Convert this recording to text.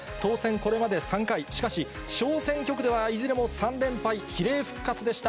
これまで３回、しかし小選挙区ではいずれも３連敗、比例復活でした。